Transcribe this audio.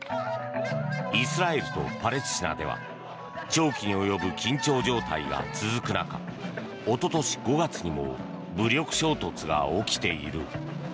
イスラエルとパレスチナでは長期に及ぶ緊張状態が続く中おととし５月にも武力衝突が起きている。